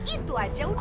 itu aja udah